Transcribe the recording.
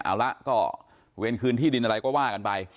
เอาละก็เวรคืนที่ดินอะไรก็ว่ากันไป